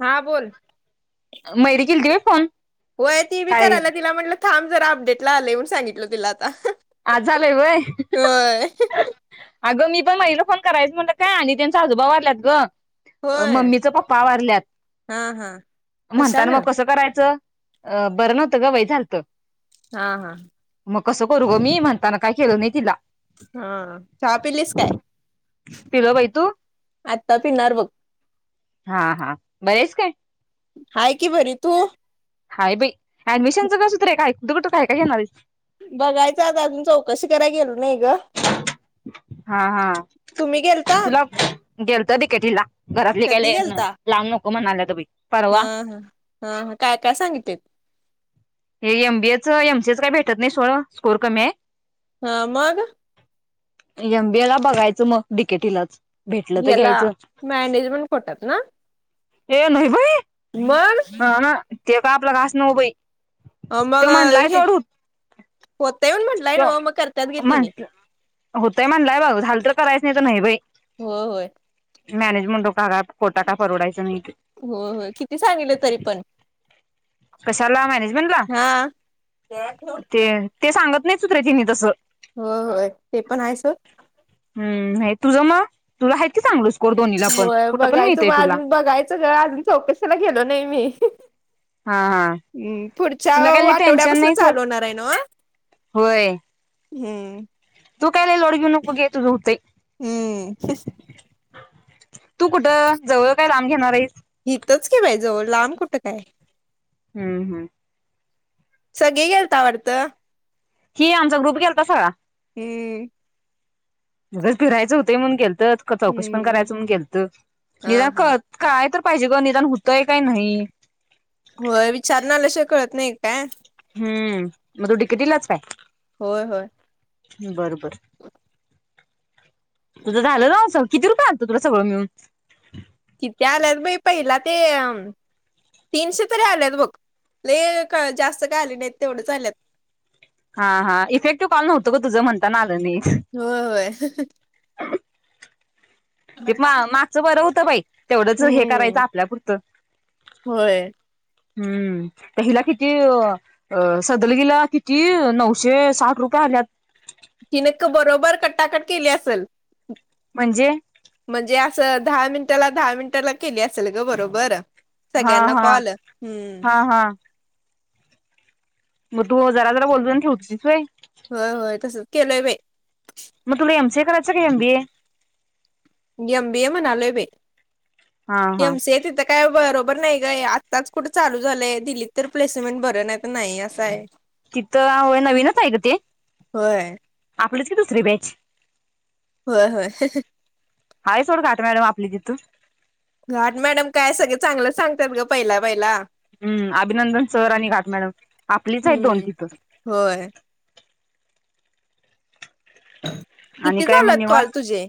हा बोल. मयुरी केलती होय फोन. व्हय, ती बी काय? करालीया तिला म्हटलं थांब जरा, अपडेटला आलय, म्हणून सांगितलो तिला आता आज झालंय वय. होय अगं मी पण महिला फोन करायचं म्हटलं का आणि त्यांचा आजोबा वाारलात ग होय मम्मीच पप्पा वारल्यात, हा हा म्हणताात मग कशानं कसं करायचं. अ बरं नव्हतं ग वै झालत. हा हा. मग कसं करू ग मी म्हणताना काय केलं नाही, तिला हा चहा पिलीस काय पिलो बाई तू आता पिणार बघ. हा हा बरी आहेस काय. हाय की बरी तू. हाय बाई ऍडमिशनचं ग सत्रे कुठे कुठे काय काय घेणार आहे. बघायचा आज अजून चौकशी करायला गेलो नाही ग. हा हा. तुम्ही गेलता तुला गेलत डी के टी ला घरातली काय कधी लय गेलता लांब नको म्हणाल्यात बाई हा परवा हा हा ह काय काय सांगित. हे एमबीएच एमसीएच काही भेटत नाही सोड स्कोर कमी आहे. हा माग. एमबीए ला बघायचं मग डीकेटीलाच. याला मॅनेजमेंट बोलतातना. ए नाहीय बाई. मण हा ना ते का आपला घास नभई आ मला हे होतय म्हटलंय ज्यो ना मग करतात गे म्हण तिने होतंय म्हणलंय बघ झालं तर करायस नाही बाई. हो होय. मॅनेजमेंट हो का खोटा का परवडायचं मी हो हो किती सांगलं तरी पण. कशाला मॅनेजमेंटला हा हो ते ते सांगत नाही सुत रे तिने तसं हो होय ते पण आहेस हो. हम् नाही तुझं मग तुला हाय की चांगलच. होय बघायचं म बघायचं ग अजून चौकशाला गेलो नाही मी. हा हा. हम्म पुढच्या तुला काय लय टेन्शन आठवड्यापासून नाही सोड चालू होणार आहे न्हव होय तू काय लय लोड घेऊ नकोस तुझं काय होतंय. हम्म तू कुठं जवळ काय लांब घेणार आहेस. इथच कि बाईजवळ लांब कुठं काय. हम्म हम्म. सगळे गेलताव वाटतं. हि आमचा ग्रुप गेलता सगळा हम्म. मस्त फिरायचं होतं म्हणून गेलतो. चौकशी पण हम्म करायचंण गेलत, हा निदान हा काय [unintelligible] पाहिजे ग निदान होतय काही नाही. होय विचारून आल्याशिवाय कळत नाही काय. हम् मग तुडिकटलाच काय [unintelligible] होय होय. बर बर. तुझं झालं ना किती रुपये आणतो तुला सगळं मिळून कितें आल्यात भाई पहिला ते तीनशे तरी आलेत बघ लय जास्त काय आले नाहीत तेवढच आलेत. हा. हा. इफेक्टिव्ह कॉल नव्हतं ग. तुझं म्हणताना आलं नाही. होय-होय. ते मागचं बरं होतं बाई. तेवढंच हे करायचं हम्म आपल्यापुरतं. होय. हम्म त्या हिला किती. सदलगीला किती नऊशे साठ रुपये आल्यात. एकटाक केली असेल. म्हणजे. अस दहा मिनिटाला. दहा मिनिटाला. केली असेल ग बरोबर. हा सगळ्यांना हा कॉल हम्म.. हा हा मग तू जरा-जरा. वढून-आणून ठेवत होतीस व्हय. होय-होय तसच केलंय बाई मग तुला एम. सीए कराच का एम. बीए. एमबीए म्हणालोय बाई. हा हा एमसीए तिथं काय बरोबर. बर नाही ग काय आत्ताच कुठं चालू झालंय. दिलीत तर प्लेसमेंट बर नाही-नाही तर अस हाय. तिथं नवीनच व्हय नवीनच हाय ग ते. होय आपलीच की दुसरी बॅच. होय-होय. हाय सोड घाट मॅडम आपली तिथ. घाट मॅडम काय. सगळे चांगलं सांगतात. ग पहिला-पहिला. हम्म अभिनंदन सर. आणि घाट मॅडम आपलीच आहेत दोन हम्म तिथं. होय आणि किती काय मग झालत निवांत. कॉल तुझे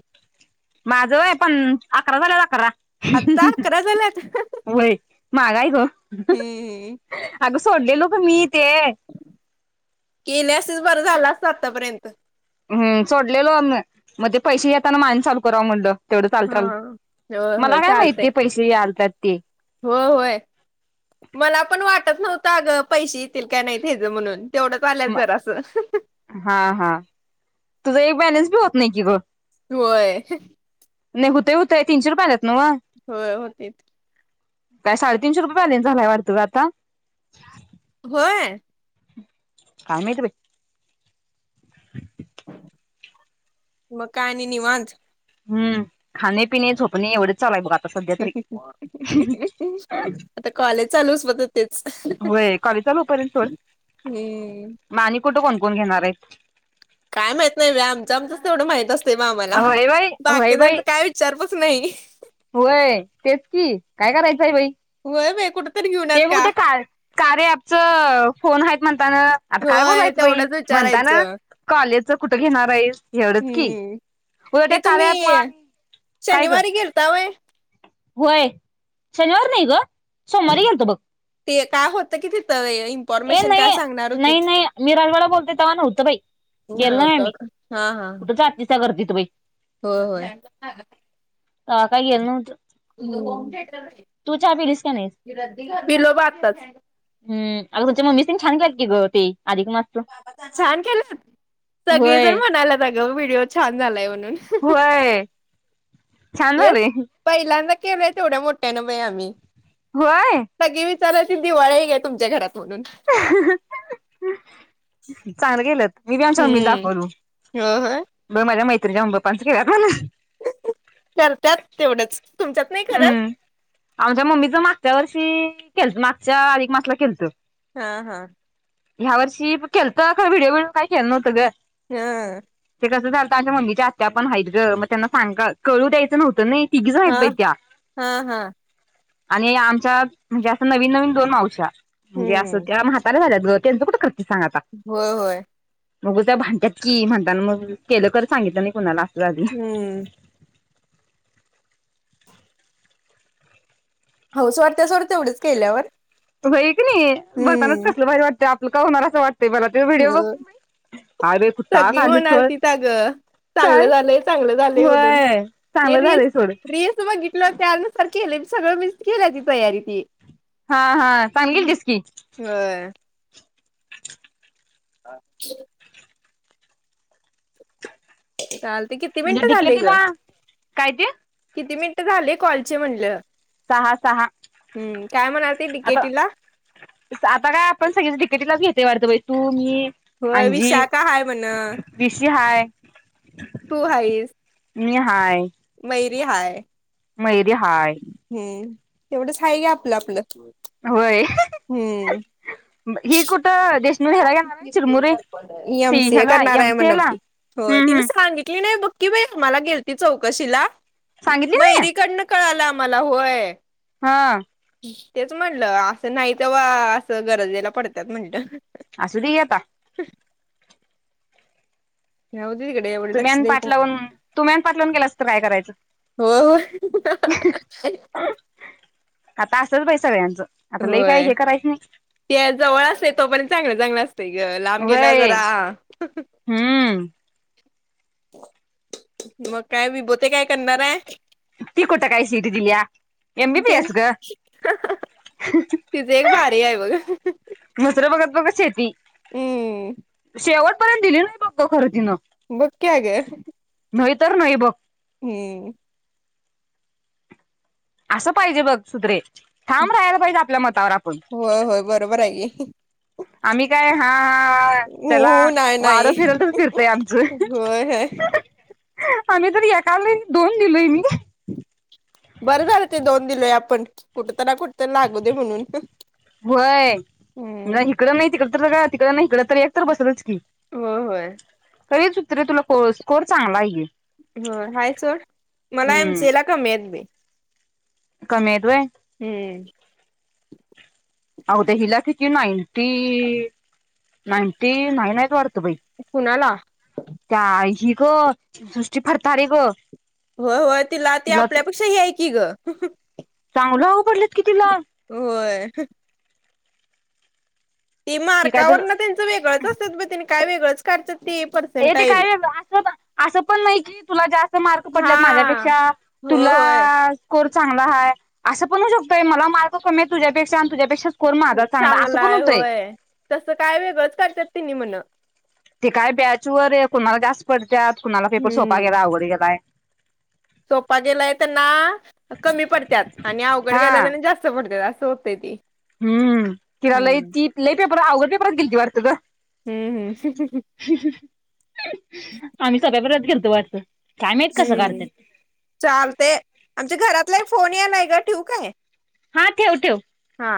माझं होय. पण अकरा झाल्यात अकरा. आता अकरा झाल्यात. मागाय ग.. हम्म अग सोडलेले पण मी. ते केली असतीस बरं झालं असतं आता पर्यंत? हम सोडलेलो म ते पैसे येताना म आणि चालू कराव म्हणलं? तेवढं हा चालत्याल होय होय मला काय चालतंय माहिती पैसेही आलत्यात? होय होय मला पण वाटत नव्हतं, अगं पैसे येतील का नाहीत हेच म्हणून? तेवढंच आल्यात म जरासं हा हा तुझं एक बॅलेन्स बी होत नाही की गं. होय. नाय हुतय हुतय तीनशे रुपयं आलेत. होय होतीत. काय? साडेतीनशे रुपये बॅलन्स झालाय वाटत गं आता? होय. काय माहिती बाई? म काय आणि निवांत? हम्म! खाणेपिणे झोपणे एवढेच चालूयं बघा आता. सध्या तरी [unintelligible] आता कॉलेज चालू होस पातूर तेच. होय चालू कॉलेज होईपर्यंत तोवर हम. कोण घेणारये? काय माहित नाही बाई! आमचं आमचंच तेवढं माहित असतयं बाई आम्हाला. होय बाई होय बाई बाकीज्याच काय विचार नाही. होय तेच की, काय करायचंय बाई? होय बाई कुठं तरी घेऊन यात ते बघ का ते काय कार्याअँपच फोन आहेत म्ह आता काय होय बोलायचं बाई? तेवढंच म्हणताना विचारायचं कॉलेजच कुठं घेणार आहेस? एवढंच की हम्म उगचं ते कार्य अँप मुळ शनिवारी गेलता व्हय? व्हय.. शनिवार नाही ग? सोमवारी गेलतो बघ. ते काय.. होत की तिथ? ये. नाही. नाही. नाही. मी रालवाडा बोलते. तेव्हा नव्हतं बाई? गेलो नाही नव्हतं आम्ही.. का? कुठे जातीस त्या गर्दीत? बाई हो.. होय. का.. काई येल नव्हत? होम थेटर पिलीस का नाहीस [unintelligible] अग.. तिची मम्मी पण छान करती ग ती छान केल. सगळे जण होय म्हणाला आग. व्हिडिओ छान झालाय म्हणून. होय.. छान तेच.. झालंय पहिल्यांदा केलय तेवढ्या मोठ्याने बाई आम्ही. होय... चला ती दिवाळी घ्या तुमच्या घरात म्हणून. चांगलं गेलत. मी हम्म दाखवलू. हो हो बाई माझ्या मैत्रि करत्यात [unintelligible] तेवढंच तुमच्यात नाही करत? ह्म्म.. आमच्या मम्मीच मागच्या वर्षी मागच्या अधिक मास ला केलत. हा.. हा. ह्या वर्षी केलत का? व्हीडिओ बिडीओ काय केल नव्हत ग? य.. कस झालत? आमच्या मम्मी च्या आत्या पण हायत ग.. त्यांना सांग कळू द्यायच नव्हतं नयी? हा. हा.. हा.. आणि आमच्या म्हणजे.. अस नवीन नवीन दोन मावश्या म्हणजे.. अस.. हम्म त्या म्हातार्‍या झाल्यात. केलत होय.. होय. मग त्या भांट्यात की म्हणताना मग केलं कर सांगितलं नाही कुणाला झालं हम्म हो सोरत्या सोरत एवढेच केल्यावर भई क नाही बघतानाच हम्म कसलं भारी वाटत आपलं का होणार असं वाटतंय मला ते व्हिडिओ हो. बघून हायवे कुता सगळी खालीशवर म्हणालतीत अगं चांगलं झालंय चांगलं झालंय म्हणून ते चांगलं रीलल्स झालंय सोड रीलल्स बघितलं त्यानसारख केलेी सगळं मी केल्या ती तयारी ती हा हा सांगेल कस कि होय अाछ चालते किती म्हणजे मिनिटं झाले ग डिकेटीला काय ते किती मिनिटं झाले कॉलचे म्हणलं सहा सहा हम्म काय म्हणाल ते आता डिकेटीला आता काय आपण सगळच तिकेटीला घेते वाढत बाई तू मी होय आांजी विशाखा हाय म्हण वििषि हाय म हाय मयरी हाय मयरीे हाय तेवढंच आहे का आपलं आपलं होय हम्म ही कुठ ज म स ह्याला करणार आहे एमसीए ला मनवती हो हम्म तिला हम्म सांगे की नाही बला गे चौकशी सांगितली नाही मरीड क मला होय हा तेच म्हणलं असं नाही ते वा असं गरजेला पडतत म्हणलं आ सुधी गेता ह तुम्ही आणि पाठ लावून. तुम्ही आणि पाठ लावून गेलासां तर काय करायचं. हो. हो. आता असच बाई सगळ्यांचं. आता लई काय होय हे करायचं नाही त्या जवळ असतोय तोपर्यंत. चांगलं-चांगलं अस ते ग लांब गेल्यावर व्हय जरा. हम्म मग काय विबोते काय करणार हाय. ती कोठ काय सिट दिल्या. ते.... एमबीबीएस ग तिज एक भारी हाय बघ. बघ शेती हम्म शेवट पर्यंत दिली नाही बग. खरं तिन. बघ की अगं नाही तर नाही बघ. हम्म. असं पाहिजे बघ सुप्रे ठाम राहायला पाहिजे. आपल्या मतावर आपण. ह आम्ही काय हा. हा चला. हो नाही वारं फिरल नाही तस फिरतय आमचं. होय होय आम्ही तर एकावेळीस दोन दिलोय मी. त्याला कुठतर लागू दे म्हणून. व्हयं. हम्म इकडं नाही तिकड तर का तिकडं नाही इकड तर एक तर बसलच की. होय होय तरी सुप्रे तुला स्को स्कोर चांगला आहे की. होय हाय सोड मला एम हम्म सी ए ला कमी आहेत बाई. कमी येत होय. हम. आगं ते हिला किती नाइनटी नाइटी नाईन हायत. बाई कुणाला? त्या ही ग सृष्टी फरतारे गं. होय होय, तिला ती आपल्यापेक्षा ही हाय की गं. पडलेत की तिला. हम. ती काय मार्कावर तर ना त्यांचं वेगळंच असत्यात ब तेनी काय वेगळचं काढतेत. हे ते काय अस असं पण नाही, की तुला जास्त मार्क पडलेत हा. माझ्यापेक्षा हो तुला. होय अ स्कोर चांगला हाय अस पण होऊ शकतयं, मला मार्क कमी हायत तुझ्यापेक्षा. तुझ्यापेक्षा स्कोर माझा चांगला असं पण चांगलाय होतंय होय तसं काय वेगळंच करतेत तिनी म्हण. ते काय बॅचवर कुणाला जास्त पडत्यात कुणाला पेपर सोपा हम्म गेलायं अवघड गेलाय. सोपा गेलाय त्यांना कमी पडत्यात, आणि अवघड गेलाय त्यांना जास्त पडतेत असं. होतेय ती. हम किरा लई ती लई पेपर अघड पेपर गेलती वाटतं गं. ह ह. आम्ही सध्या परत गेलतो वाटत. हम चालतयं आमच्या घरातला फोन यालाय गं ठेवू काय? हा ठेव ठेव. हा.